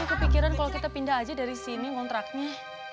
umi kepikiran kalo kita pindah aja dari sini kontraknya